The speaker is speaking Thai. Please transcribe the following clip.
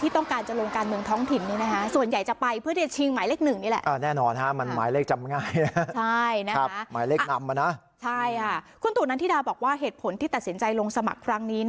คุณตูนันธิดาบอกว่าเหตุผลที่ตัดสินใจลงสมัครครั้งนี้